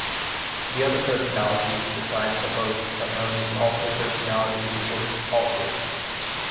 The other personalities, besides the host, are known as alter personalities, or just "alters".